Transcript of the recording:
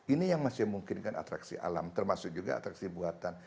ini yang masih memungkinkan atraksi alam termasuk juga atraksi buatan